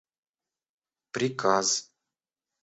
приказ